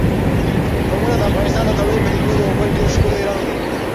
قومونه د افغانستان د طبیعي پدیدو یو بل ډېر ښکلی رنګ دی.